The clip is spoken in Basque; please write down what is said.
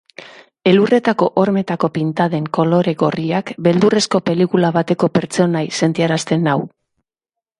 Elurretako hormetako pintaden kolore gorriak beldurrezko pelikula bateko pertsonai sentiarazten nau.